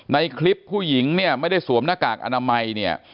ในคลิปผู้หญิงเนี่ยไม่ได้สวมหน้ากากอนามัยเนี่ย